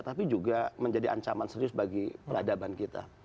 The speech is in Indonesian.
tapi juga menjadi ancaman serius bagi peradaban kita